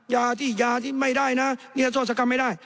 ยาที่ยาที่ไม่ได้นะนิรโทษกรรมไม่ได้